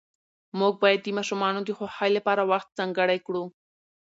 موږ باید د ماشومانو د خوښۍ لپاره وخت ځانګړی کړو